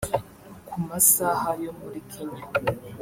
ku masaha yo muri Kenya